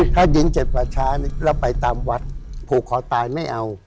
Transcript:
ถ้าดินเจ็ดป่าช้าเราไปตามวัดผูกคอตายไม่เอา